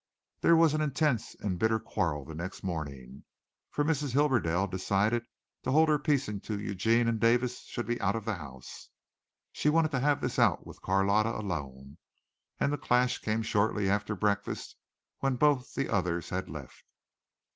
There was an intense and bitter quarrel the next morning, for Mrs. Hibberdell decided to hold her peace until Eugene and Davis should be out of the house. She wanted to have this out with Carlotta alone, and the clash came shortly after breakfast when both the others had left.